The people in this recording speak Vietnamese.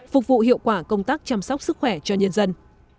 phục vụ hiệu quả công tác chăm sóc sức khỏe cho nhân dân